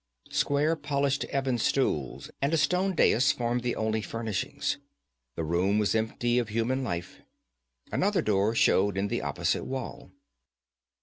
Square, polished ebon stools and a stone dais formed the only furnishings. The room was empty of human life. Another door showed in the opposite wall.